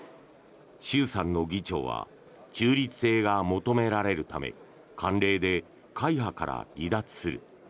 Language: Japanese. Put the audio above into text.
衆参の議長は中立性が求められるため慣例で会派から離脱する。